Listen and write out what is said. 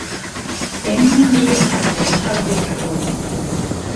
އެމް.އެން.ޑީ.އެފްއަށް އެންކަލް ބޫޓު ހޯދުން